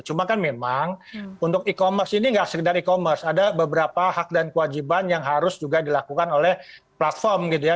cuma kan memang untuk e commerce ini tidak sekedar e commerce ada beberapa hak dan kewajiban yang harus juga dilakukan oleh platform gitu ya